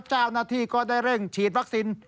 เจ้าหน้าที่ก็ได้เร่งฉีดวัคซีน